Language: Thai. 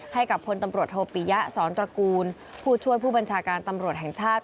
ให้กับพลตำรวจโทปิยะสอนตระกูลผู้ช่วยผู้บัญชาการตำรวจแห่งชาติ